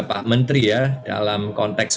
pak menteri ya dalam konteks